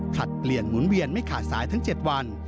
เปลี่ยนหมุนเวียนไม่ขาดสายทั้ง๗วัน